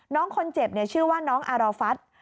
น้องคนเจ็บชื่อว่ารอฟัส